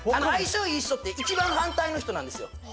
相性いい人って１番反対の人なんですよ